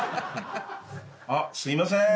あっすいませーん。